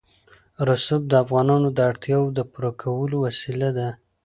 رسوب د افغانانو د اړتیاوو د پوره کولو وسیله ده.